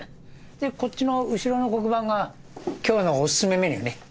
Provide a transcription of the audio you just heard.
でこっちの後ろの黒板が今日のオススメメニューね。